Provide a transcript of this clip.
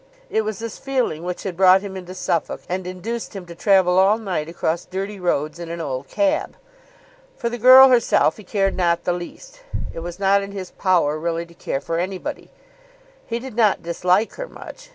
It was this feeling which had brought him into Suffolk, and induced him to travel all night, across dirty roads, in an old cab. For the girl herself he cared not the least. It was not in his power really to care for anybody. He did not dislike her much.